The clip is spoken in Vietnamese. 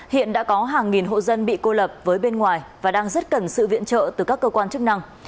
hiện đã có hàng nghìn hộ dân bị cô lập với bên ngoài và đang rất cần sự viện trợ từ các cơ quan chức năng